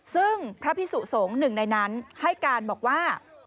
ซึ่งพระพิสุสงฆ์หนึ่งในนั้นให้การบอกว่า